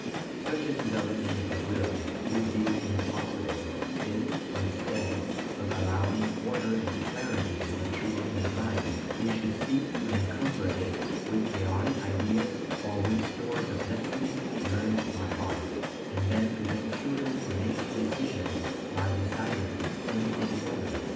Such a development of the will would be impossible if, instead of allowing order and clarity to mature in the mind, we should seek to encumber it with chaotic ideas, or with stores of lessons learnt by heart, and then prevent children from making decisions by deciding everything for them.